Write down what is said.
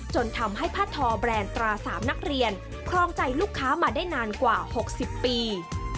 จนทำให้ผ้าทอแบรนด์ตรา๓นักเรียนครองใจลูกค้ามาได้นานกว่า๖๐ปี